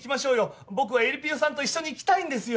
僕はえりぴよさんと一緒に行きたいんです